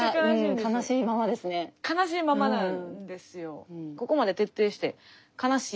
悲しいままなんですよ。